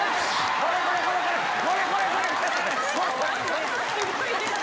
これこれ！